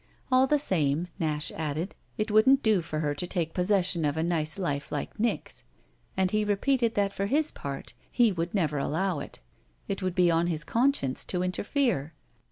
All the same, Nash added, it wouldn't do for her to take possession of a nice life like Nick's; and he repeated that for his part he would never allow it. It would be on his conscience to interfere.